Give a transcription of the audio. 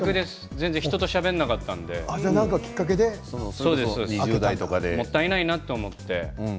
全然しゃべらなかったのでもったいないなと思って。